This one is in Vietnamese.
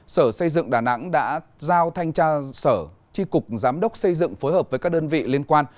sở xây dựng đà nẵng đã giao thanh tra sở chi cục giám đốc xây dựng phối hợp với các đơn vị liên quan